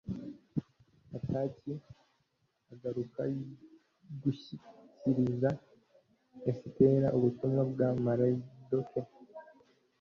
hataki agaruka gushyikiriza esitera ubutumwa bwa maridoke